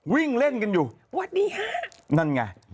วิ่งเล่นกันอยู่สวัสดีค่ะนั่นไง